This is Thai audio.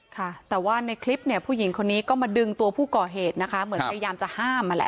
ค่ะแต่ว่าในคลิปเนี่ยผู้หญิงคนนี้ก็มาดึงตัวผู้ก่อเหตุนะคะเหมือนพยายามจะห้ามมาแหละ